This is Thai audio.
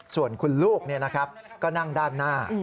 ส่วนคุณลูกนี่นะครับก็นั่งด้านหน้า